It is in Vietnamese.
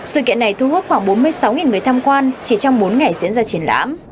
sự kiện này thu hút khoảng bốn mươi sáu người tham quan chỉ trong bốn ngày diễn ra triển lãm